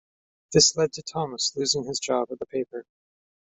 This led to Thomas losing his job at the paper.